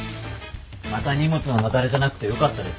また荷物の雪崩じゃなくてよかったです。